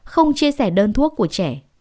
không chia sẻ đơn thuốc của trẻ